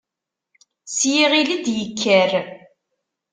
S yiɣil i d-yekker.